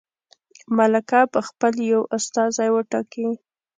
ملکه به خپل یو استازی وټاکي.